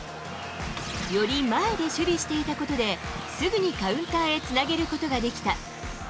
より前で守備していたことで、すぐにカウンターへつなげることができた。